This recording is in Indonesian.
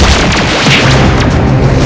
tidak ada kesalahan